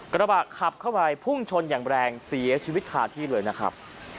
กระบะขับเข้าไปพุ่งชนอย่างแรงเสียชีวิตคาที่เลยนะครับ